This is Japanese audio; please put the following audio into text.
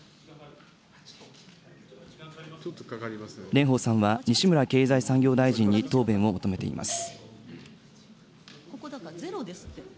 蓮舫さんは西村経済産業大臣に答弁を求めています。